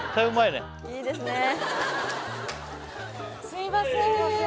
すいません